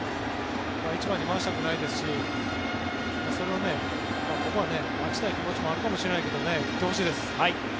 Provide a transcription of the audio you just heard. １番に回したくないですしここは待ちたい気持ちもあるかもしれないですが行ってほしいです。